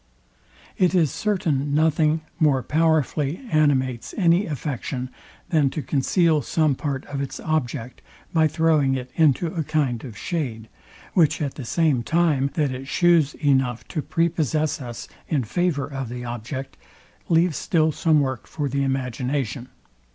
It is certain nothing more powerfully animates any affection, than to conceal some part of its object by throwing it into a kind of shade, which at the same time that it chews enough to pre possess us in favour of the object, leaves still some work for the imagination.